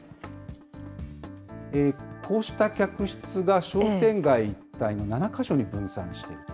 こうした客室が商店街一帯の７か所に分散している。